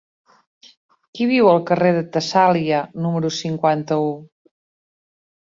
Qui viu al carrer de Tessàlia número cinquanta-u?